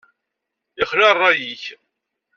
Ixla rray-ik!